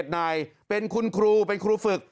๗นายเป็นคุณครูเป็นครูฝึก